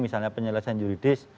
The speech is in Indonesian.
misalnya penyelesaian juridis